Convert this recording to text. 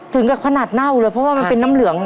ถึงกับขนาดเน่าเลยเพราะว่ามันเป็นน้ำเหลือง